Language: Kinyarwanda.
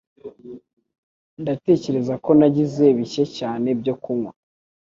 Ndatekereza ko nagize bike cyane byo kunywa.